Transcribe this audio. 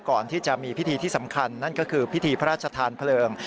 ก่อนที่จะมีพิธีที่สำคัญนั่นก็คือพิธีพระราชทานเพลิง